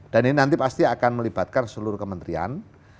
dan ini nanti pasti akan melibatkan seluruh kementerian